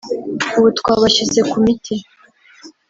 ubu twabashyize ku miti”